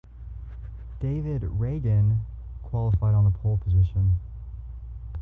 David Ragan qualified on the pole position.